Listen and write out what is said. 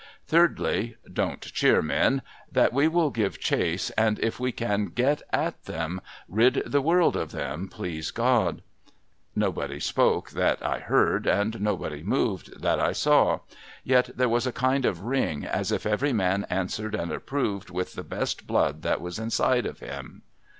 Thirdly— don't cheer, men I — that we v.'ill give chase, and, if we can get at them, rid the world of them, please God !' Nobody spoke, that I heard, and nobody moved, that I saw. Yet there was a kind of ring, as if every man answered and approved with the best blood that was inside of him.